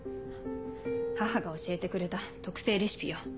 母が教えてくれた特製レシピよ。